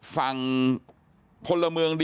ฝั่งพลเมืองดี